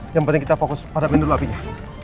yang penting kita fokus pada menu lapinya